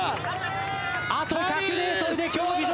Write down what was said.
あと１００ｍで競技場。